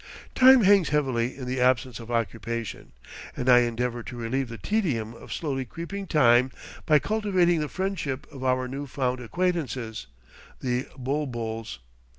Time hangs heavily in the absence of occupation, and I endeavor to relieve the tedium of slowly creeping time by cultivating the friendship of our new found acquaintances, the bul buls.